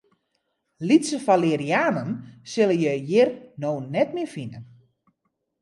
Lytse falerianen sille je hjir no net mear fine.